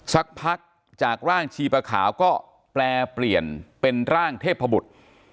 สักพักจากร่างชีปะขาวก็แปลเปลี่ยนเป็นร่างเทพบุตร